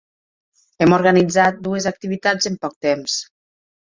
Hem organitzat dues activitats en poc temps.